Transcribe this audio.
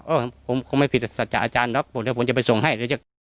เออผมผมไม่ผิดศักดิ์จากอาจารย์แล้วผมจะไปส่งให้เดี๋ยวจะ